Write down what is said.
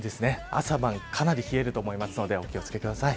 朝晩かなり冷えると思いますのでお気を付けください。